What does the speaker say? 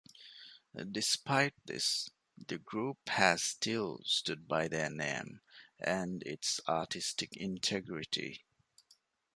Despite this, the group has still stood by their name and its artistic integrity.